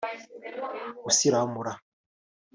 gusiramura